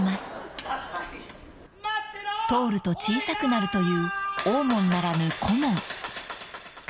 ［通ると小さくなるという大門ならぬ小門］